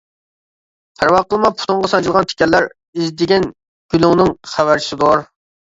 پەرۋا قىلما، پۇتۇڭغا سانجىلغان تىكەنلەر، ئىزدىگەن گۈلۈڭنىڭ خەۋەرچىسىدۇر.